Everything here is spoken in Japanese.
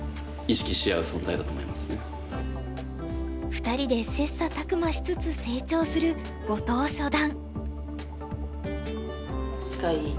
２人で切磋琢磨しつつ成長する後藤初段。